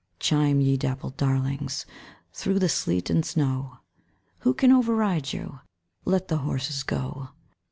Chime, ye dappled darlings, Through the sleet and snow. Who can over ride you? Let the horses go!